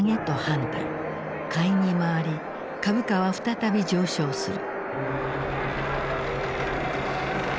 買いに回り株価は再び上昇する。